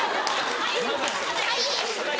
はい。